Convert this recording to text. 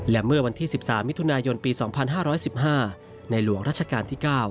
และเมื่อวันที่๑๓มิถุนายนปี๒๕๑๕ในหลวงรัชกาลที่๙